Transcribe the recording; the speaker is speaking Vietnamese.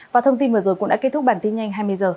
và thông tin vừa rồi cũng đã kết thúc bản tin nhanh hai mươi h